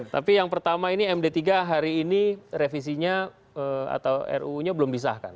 tapi yang pertama ini md tiga hari ini revisinya atau ruu nya belum disahkan